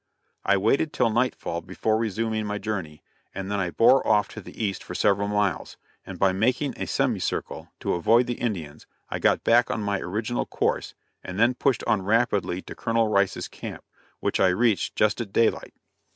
I waited till nightfall before resuming my journey, and then I bore off to the east for several miles, and by making a semi circle to avoid the Indians, I got back on my original course, and then pushed on rapidly to Colonel Rice's camp, which I reached just at daylight.